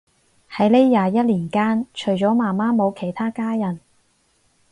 喺呢廿一年間，除咗媽媽冇其他家人